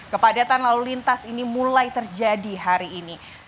kepadatan lalu lintas ini mulai terjadi hari ini